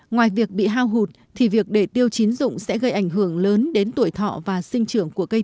ngoài việc bị hao hụt thì việc để tiêu chín dụng sẽ gây ảnh hưởng lớn đến tuổi thọ và sinh trưởng của cây